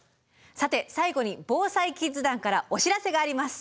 さて最後にＢＯＳＡＩキッズ団からお知らせがあります。